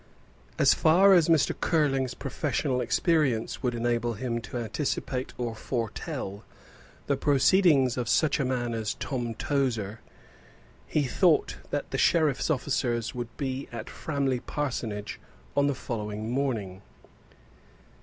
As far as Mr. Curling's professional experience would enable him to anticipate or foretell the proceedings of such a man as Tom Tozer, he thought that the sheriff's officers would be at Framley Parsonage on the following morning.